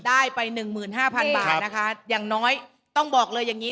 ได้ไปหนึ่งหมื่นห้าพันบาทนะคะอย่างน้อยต้องบอกเลยอย่างนี้